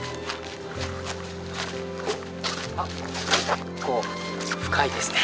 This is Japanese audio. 結構深いですね。